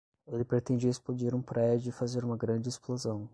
Ele pretendia explodir um prédio e fazer uma grande explosão